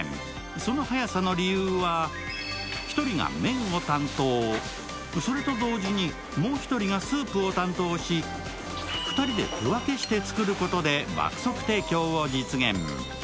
その速さの理由は１人が麺を担当、それと同時に、もう１人がスープを担当し、２人で手分けして作ることで爆速提供を実現。